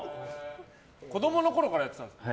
子供のころからやってたんですね。